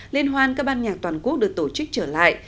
liên hoan các ban nhạc toàn quốc được tổ chức trở lại